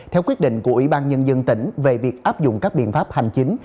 theo quyết định của ủy ban nhân dân tỉnh về việc áp dụng các biện pháp hành chính